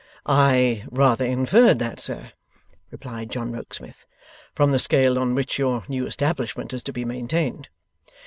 'I rather inferred that, sir,' replied John Rokesmith, 'from the scale on which your new establishment is to be maintained.